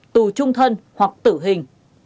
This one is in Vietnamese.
tù trung thân hoặc tử hình